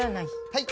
はい。